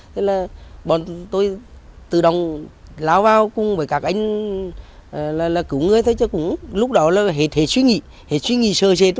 thế là bọn tôi tự động lao vào cùng với các anh là cứu người thôi chứ cũng lúc đó là hết suy nghĩ hết suy nghĩ sợ sệt